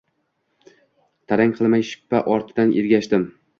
Tarang qilmay, shippa ortidan ergashdim